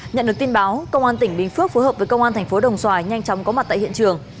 nhận được tin báo công an tỉnh bình phước phối hợp với công an thành phố đồng xoài nhanh chóng có mặt tại hiện trường